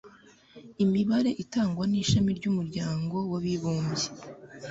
Imibare itangwa n'Ishami ry'Umuryango w'Abibumbye